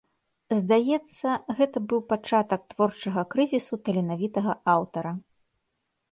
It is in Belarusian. Здаецца, гэта быў пачатак творчага крызісу таленавітага аўтара.